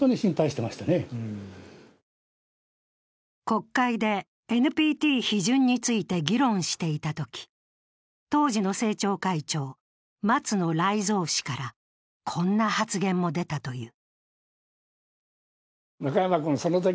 国会でＮＰＴ批准について議論していたとき、当時の政調会長・松野頼三氏からこんな発言も出たという。